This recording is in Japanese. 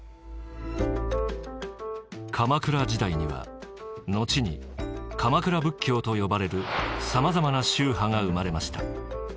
鎌倉時代には後に鎌倉仏教と呼ばれるさまざまな宗派が生まれました。